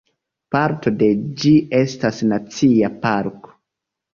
Parto de ĝi estas nacia parko.